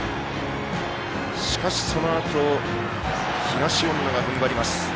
しかし、そのあと東恩納が踏ん張ります。